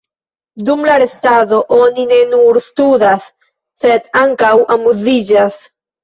Dum la restado, oni ne nur studas, sed ankaŭ amuziĝas.